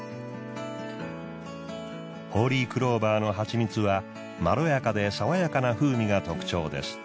ホーリークローバーの蜂蜜はまろやかでさわやかな風味が特徴です。